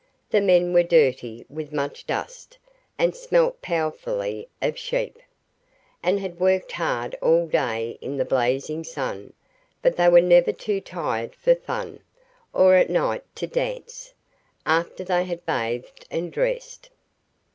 The men were dirty with much dust, and smelt powerfully of sheep, and had worked hard all day in the blazing sun, but they were never too tired for fun, or at night to dance, after they had bathed and dressed.